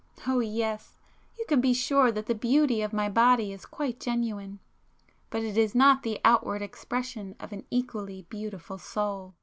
Oh yes,—you can be sure that the beauty of my body is quite genuine!—but it is not the outward expression of an equally beautiful soul.